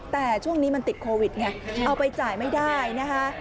แต่ช่วงนี้มันติดโควิดไงเอาไปจ่ายไม่ได้นะคะ